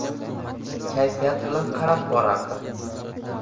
Kayfiyat bilan qarab borardi.